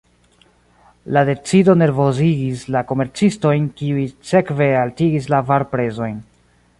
La decido nervozigis la komercistojn, kiuj sekve altigis la varprezojn.